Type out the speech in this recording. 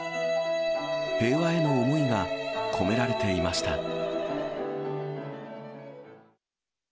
平和への思いが込められていました。